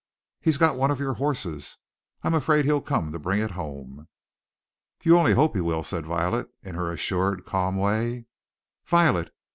"He's got one of your horses I'm afraid he'll come to bring it home." "You only hope he will," said Violet, in her assured, calm way. "Violet!"